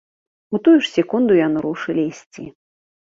У тую ж секунду яны рушылі ісці.